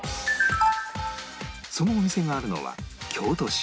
そのお店があるのは京都市